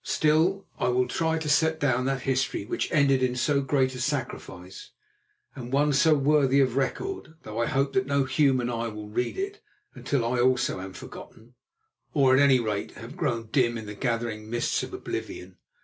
Still, I will try to set down that history which ended in so great a sacrifice, and one so worthy of record, though I hope that no human eye will read it until I also am forgotten, or, at any rate, have grown dim in the gathering mists of oblivion.